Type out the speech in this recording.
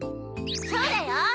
そうだよ！